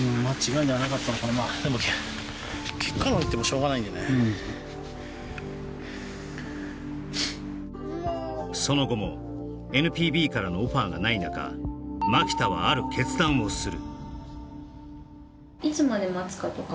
うんその後もＮＰＢからのオファーがないなか牧田はある決断をする